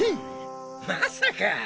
まさか！